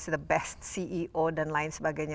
the best ceo dan lain sebagainya